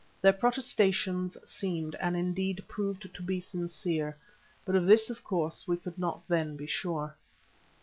Their protestations seemed and indeed proved to be sincere, but of this of course we could not then be sure.